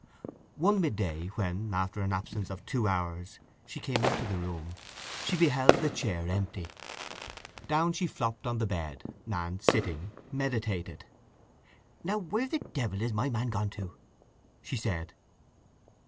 One midday when, after an absence of two hours, she came into the room, she beheld the chair empty. Down she flopped on the bed, and sitting, meditated. "Now where the devil is my man gone to!" she said.